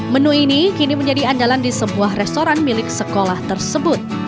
menu ini kini menjadi andalan di sebuah restoran milik sekolah tersebut